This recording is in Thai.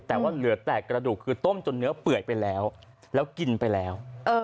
แต่ว่าเหลือแต่กระดูกคือต้มจนเนื้อเปื่อยไปแล้วแล้วกินไปแล้ว